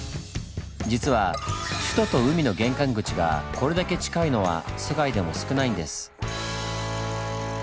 実は首都と海の玄関口がこれだけ近いのは世界でも少ないんです。